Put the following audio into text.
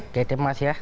oke teman ya